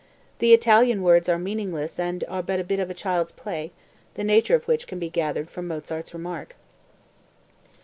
The Italian words are meaningless and but a bit of child's play, the nature of which can be gathered from Mozart's remark.)